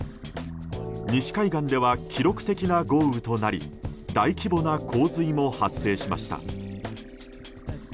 西海岸では記録的な豪雨となり大規模な洪水も発生しました。